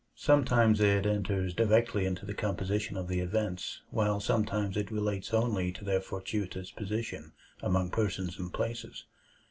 Sometimes it enters directly into the composition of the events, while sometimes it relates only to their fortuitous position among persons and places.